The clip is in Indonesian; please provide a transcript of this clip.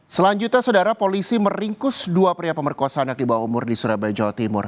selanjutnya polisi meringkus dua pria pemerkosaan yang dibawa umur di surabaya jawa timur